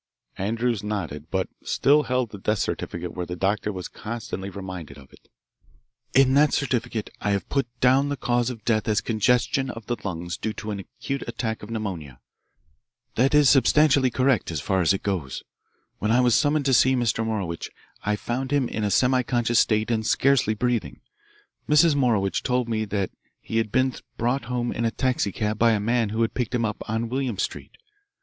Andrews nodded, but still held the death certificate where the doctor was constantly reminded of it. "In that certificate I have put down the cause of death as congestion of the lungs due to an acute attack of pneumonia. That is substantially correct, as far as it goes. When I was summoned to see Mr. Morowitch I found him in a semiconscious state and scarcely breathing. Mrs. Morowitch told me that he had been brought home in a taxicab by a man who had picked him up on William Street.